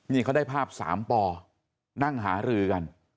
นี่เขาได้ภาพ๓ปอนั่งหารือกัน